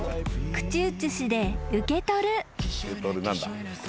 ［口移しで受け取る］